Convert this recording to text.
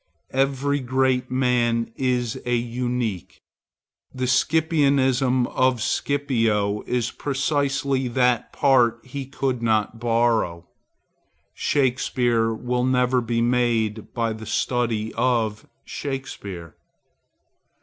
Every great man is a unique. The Scipionism of Scipio is precisely that part he could not borrow. Shakspeare will never be made by the study of Shakspeare.